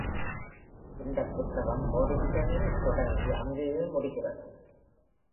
இந்தப் புத்தகம் Torringtonஇல் தொடங்கி அங்கேயே முடிகிறது.